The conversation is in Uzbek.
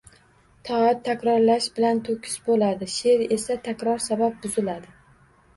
Toat takrorlash bilan toʻkis boʻladi, sheʼr esa takror sabab buziladi